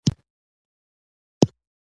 دغه کار د الله نواز صداقت څرګندوي.